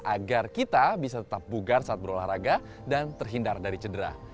agar kita bisa tetap bugar saat berolahraga dan terhindar dari cedera